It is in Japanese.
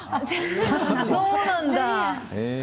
そうなんだ。